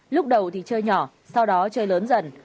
lúc đầu thì chơi nhỏ sau đó chơi lớn dần